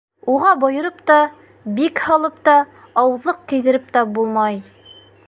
Уға бойороп та, бик һалып та, ауыҙлыҡ кейҙереп тә булмай...